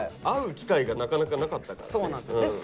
会う機会がなかなかなかったからね。